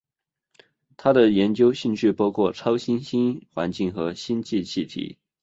他的研究兴趣包括超新星环境和星际气体。